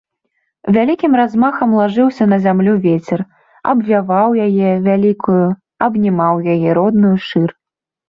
Вялікім размахам лажыўся на зямлю вецер, абвяваў яе, вялікую, абнімаў яе родную шыр.